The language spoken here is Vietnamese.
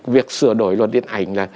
việc sửa đổi luật điện ảnh là